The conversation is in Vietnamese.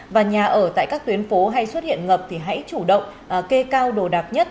và nhà ở tại các tuyến phố hay xuất hiện ngập thì hãy chủ động kê cao đồ đạc nhất